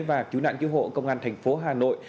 và cứu nạn cứu hộ công an thành phố hà nội